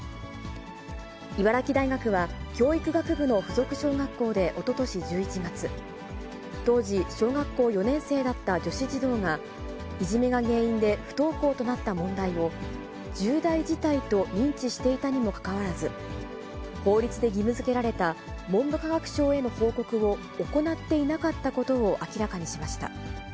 茨城大学は、教育学部の附属小学校でおととし１１月、当時小学校４年生だった女子児童が、いじめが原因で不登校となった問題を、重大事態と認知していたにもかかわらず、法律で義務づけられた文部科学省への報告を行っていなかったことを明らかにしました。